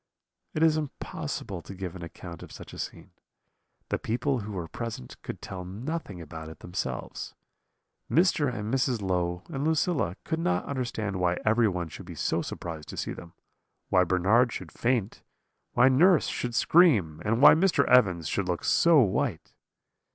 "It is impossible to give an account of such a scene; the people who were present could tell nothing about it themselves. Mr. and Mrs. Low and Lucilla could not understand why everyone should be so surprised to see them; why Bernard should faint, why nurse should scream, and why Mr. Evans should look so white.